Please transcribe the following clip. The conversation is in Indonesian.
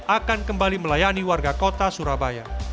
akan kembali melayani warga kota surabaya